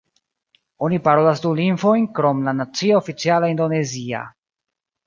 Oni parolas du lingvojn krom la nacia oficiala indonezia.